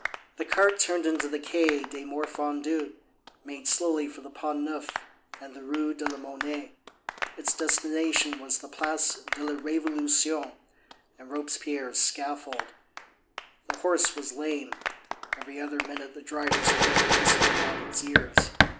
The cart turned into the Quai des Morfondus, made slowly for the Pont Neuf and the Rue de la Monnaie; its destination was the Place de la Révolution and Robespierre's scaffold. The horse was lame; every other minute the driver's whip whistled about its ears.